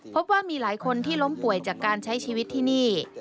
พบว่ามีหลายคนที่ล้มป่วยจากการใช้ชีวิตที่นี่